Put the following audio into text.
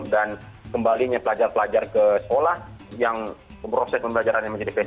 dan kembalinya pelajar pelajar ke sekolah yang proses pembelajaran yang menjadi fesial